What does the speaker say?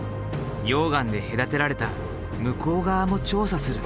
溶岩で隔てられた向こう側も調査する。